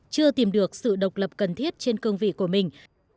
chưa tìm được sự độc lập cần thiết trên cương vị của mình